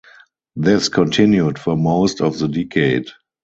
This continued for most of the decade.